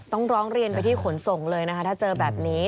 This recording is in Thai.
ต้องร้องเรียนไปที่ขนส่งเลยนะคะถ้าเจอแบบนี้